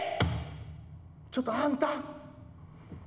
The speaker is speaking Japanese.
ちょっとあんた。